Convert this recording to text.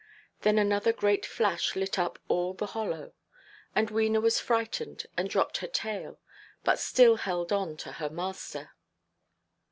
Then another great flash lit up all the hollow; and Wena was frightened and dropped her tail, but still held on to her master.